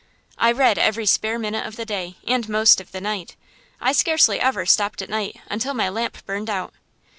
I read every spare minute of the day, and most of the night. I scarcely ever stopped at night until my lamp burned out.